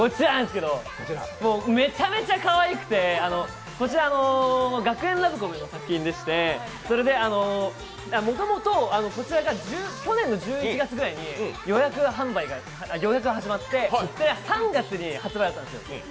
もうめちゃめちゃかわいくてこちら学園ラブコメの作品でして、もともと去年の１１月ぐらいに予約が始まって、３月に発売だったんですよ。